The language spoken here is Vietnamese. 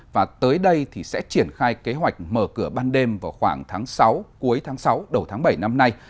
và tới đây thì sẽ triển khai kế hoạch mở cửa ban đêm vào khoảng tháng sáu cuối tháng sáu đầu tháng bảy năm nay